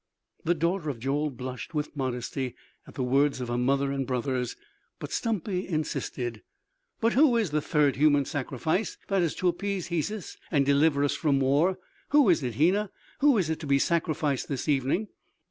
The daughter of Joel blushed with modesty at the words of her mother and brothers; but Stumpy insisted: "But who is that third human sacrifice that is to appease Hesus and deliver us from war? Who is it, Hena, who is it to be sacrificed this evening?"